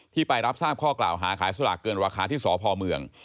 ไปรับทราบข้อกล่าวหาขายสลากเกินราคาที่สพเมือง